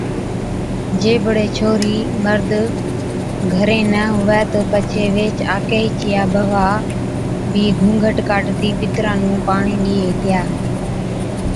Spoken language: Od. جي بڙي ڇوھري (مرد) گھرين نہ ھُوِي تہ پڇي ويھِچ آڪھِي چِيا بھوا بِي گھُونگھٽ ڪاڍتِي پِتران نُون پاڻِي ڏِيئَي ھِتيا